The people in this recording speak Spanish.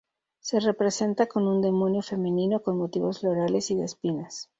Se representa como un demonio femenino con motivos florales y de espinas.